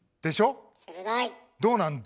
どうなんだ？